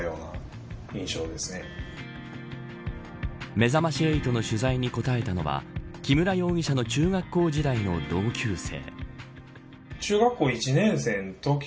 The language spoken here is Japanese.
めざまし８の取材に答えたのは木村容疑者の中学校時代の同級生。